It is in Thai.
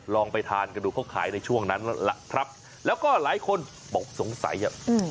ลองไปทานกันดูเขาขายช่วงนั้นแล้วก็หลายคนโปรกสงสัย